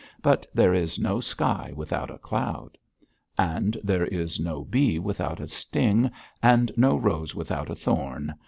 But there is no sky without a cloud.' 'And there is no bee without a sting, and no rose without a thorn.